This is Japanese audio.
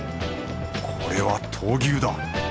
これは闘牛だ。